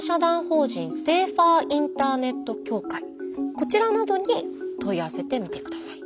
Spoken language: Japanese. こちらなどに問い合わせてみて下さい。